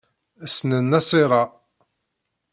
Ssnen Nasiṛa.